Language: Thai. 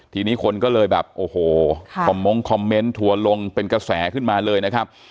ทีนี้คนก็เลยแบบโอ้โหคอมมงคอมเมนต์ทัวร์ลงเป็นกระแสขึ้นมาเลยนะครับ